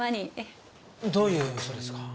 どういう人ですか？